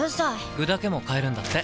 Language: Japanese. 具だけも買えるんだって。